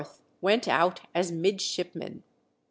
went out as midshipman.